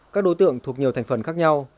các đối tượng thuộc nhiều thành phần khác nhau